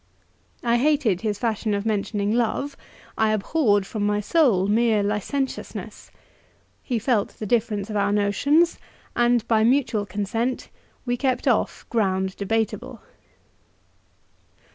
I hated his fashion of mentioning love; I abhorred, from my soul, mere licentiousness. He felt the difference of our notions, and, by mutual consent, we kept off ground debateable.